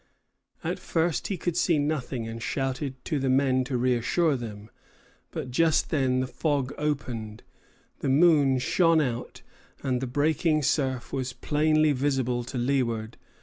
At first he could see nothing, and shouted to the men to reassure them; but just then the fog opened, the moon shone out, and the breaking surf was plainly visible to leeward.